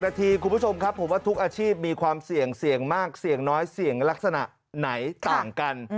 นาทีคุณผู้ชมครับผมว่าทุกอาชีพมีความเสี่ยงเสี่ยงมากเสี่ยงน้อยเสี่ยงลักษณะไหนต่างกัน